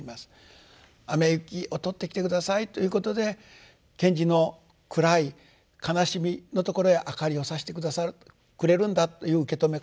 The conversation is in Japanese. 雨雪を取ってきて下さいということで賢治の暗い悲しみのところへ明かりをさして下さるくれるんだという受け止め方。